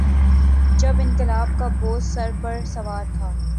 جب انقلاب کا بھوت سر پہ سوار تھا۔